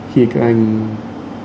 khi các anh